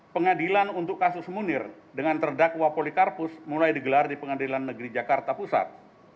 pengadilan untuk kasus munir dengan terdakwa polikarpus mulai digelar di pengadilan negeri jakarta pusat